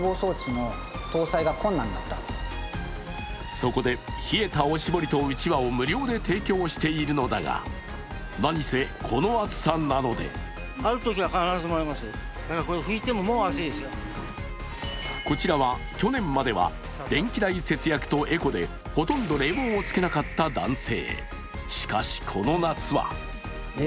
そこで冷えたおしぼりとうちわを無料で提供しているのだがなにせ、この暑さなのでこちらは去年までは電気代節約とエコでほとんど冷房をつけなかった男性。